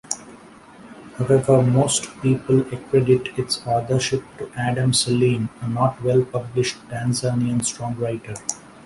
However, most people accredit its authorship to Adam Salim, a not-well-published Tanzanian songwriter.